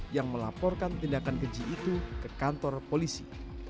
yang melaporkan tindakan keji itu ke kantor polisi